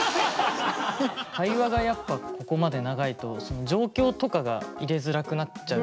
会話がやっぱここまで長いと状況とかが入れづらくなっちゃうんですね。